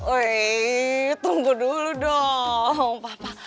weh tunggu dulu dong papa